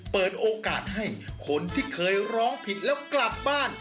เปิดโอกาสให้คนที่เคยร้องผิดแล้วกลับบ้าน